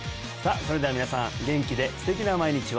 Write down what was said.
それでは皆さん元気で素敵な毎日を！